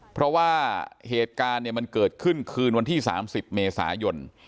เพราะว่าเหตุการณ์มันเกิดขึ้นคืนวันที่๓๐เมษายน